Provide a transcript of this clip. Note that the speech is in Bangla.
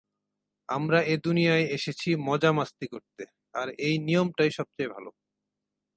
আমরা এ দুনিয়ায় এসেছি মজা-মাস্তি করতে, - আর এই নিয়মটাই সবচেয়ে ভালো।